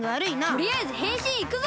とりあえずへんしんいくぞ！